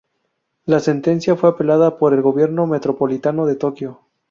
La sentencia fue apelada por el Gobierno Metropolitano de Tokio.